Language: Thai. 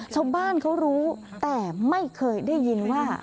ชาวบ้านเขารู้แต่ไม่เคยได้ยินว่า